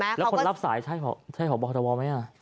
แล้วคนรับสายใช่ของบทบไหมอ่ะ